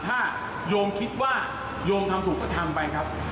ถ้าโยมคิดว่าโยมทำถูกก็ทำไปครับ